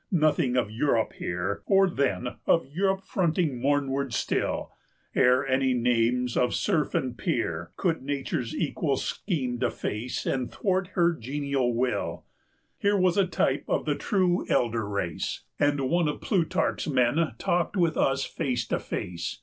Nothing of Europe here, Or, then, of Europe fronting mornward still, 185 Ere any names of Serf and Peer Could Nature's equal scheme deface And thwart her genial will; Here was a type of the true elder race, And one of Plutarch's men talked with us face to face.